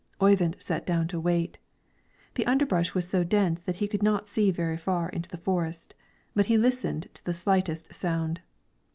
Oyvind sat down to wait. The underbrush was so dense that he could not see very far into the forest, but he listened to the slightest sound.